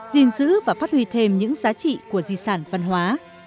gìn giữ và phát huy thêm những giá trị của di sản văn hóa